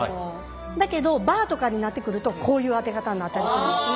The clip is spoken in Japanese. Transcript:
だけどバーとかになってくるとこういう当て方になったりするんですね。